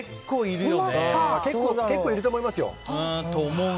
結構いると思いますよ。